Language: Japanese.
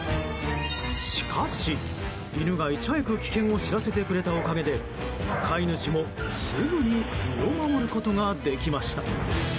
しかし、犬がいち早く危険を知らせてくれたおかげで飼い主もすぐに身を守ることができました。